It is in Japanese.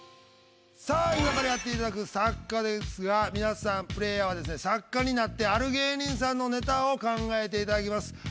さあ今からやっていただく作家ですが皆さんプレーヤーはですね作家になってある芸人さんのネタを考えていただきます。